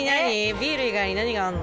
ビール以外に何があんの？